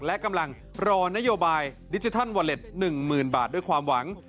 และกำลังรอนโยบายดิจิทัลวอเล็ต๑๐๐๐บาทด้วยความหวัง